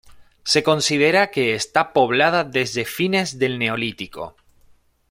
Se considera que está poblada desde fines del Neolítico.